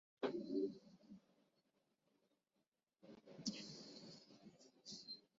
একাধিক ভাষার মধ্যে বোধগম্যতা অপ্রতিসম হতে পারে।